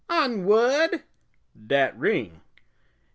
"On whad?" "Dat ring."